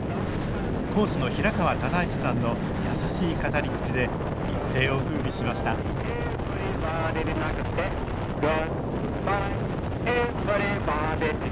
講師の平川唯一さんの優しい語り口で一世をふうびしました「グッバイエヴリバディ」